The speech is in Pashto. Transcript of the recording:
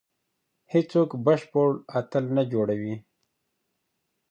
هیڅوک بشپړ اتل نه جوړوي.